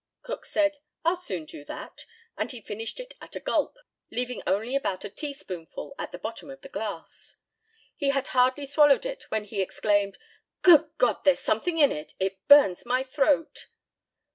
Cook said, "I'll soon do that;" and he finished it at a gulp, leaving only about a teaspoonful at the bottom of the glass. He had hardly swallowed it, when he exclaimed, "Good God! there's something in it, it burns my throat."